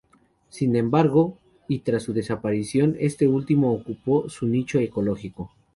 Sin embargo, y tras su desaparición, este último ocupó su nicho ecológico.